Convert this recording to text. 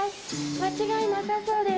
間違いなさそうです。